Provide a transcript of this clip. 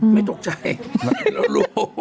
ไม่ตกใจแล้วรู้